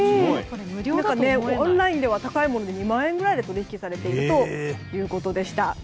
オンラインでは高いもので２万円ぐらいで取引されているということでした。